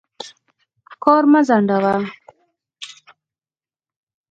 کار مه ځنډوه.